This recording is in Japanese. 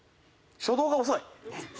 初動が遅い。